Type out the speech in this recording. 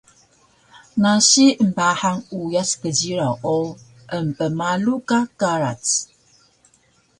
nasi embahang uyas kjiraw o empmalu ka karac